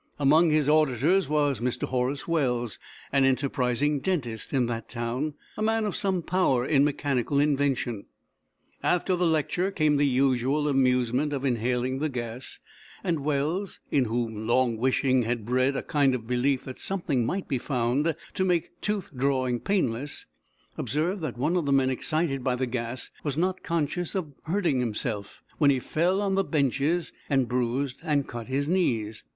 Among his auditors was Mr. Horace Wells, an enterprising dentist in that town, a man of some power in mechanical invention. After the lecture came the usual amusement of inhaling the gas, and Wells, in whom long wishing had bred a kind of belief that something might be found to make tooth drawing painless, observed that one of the men excited by the gas was not conscious of hurting himself when he fell on the benches and bruised and cut his knees.